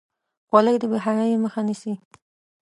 خولۍ د بې حیايۍ مخه نیسي.